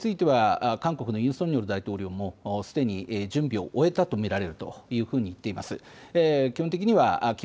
これについては韓国のユン・ソンニョル大統領もすでに準備を終えたと見られるというふうにています。